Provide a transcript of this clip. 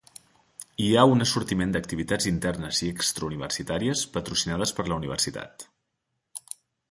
Hi ha un assortiment d'activitats internes i extra-universitàries patrocinades per la universitat.